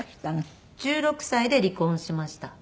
１６歳で離婚しました。